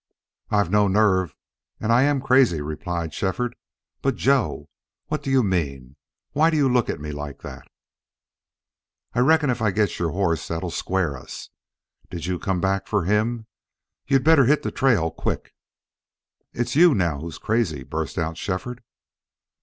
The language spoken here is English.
"I've no nerve and I am crazy," replied Shefford. "But, Joe what do you mean? Why do you look at me like that?" "I reckon if I get your horse that'll square us. Did you come back for him? You'd better hit the trail quick." "It's you now who're crazy," burst out Shefford.